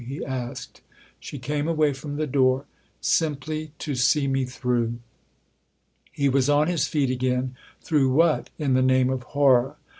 he asked. She came away from the door. " Simply to see me through." He was on his feet again. " Through what, in the name of horror